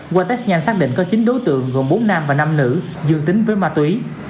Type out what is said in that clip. qua test nhanh xác định có chín đối tượng gồm bốn nam và năm nữ dương tính với ma túy